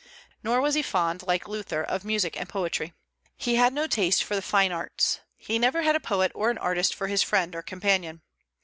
Nor was he fond, like Luther, of music and poetry. He had no taste for the fine arts; he never had a poet or an artist for his friend or companion.